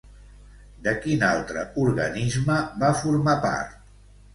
De quin altre organisme va formar part?